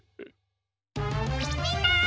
みんな！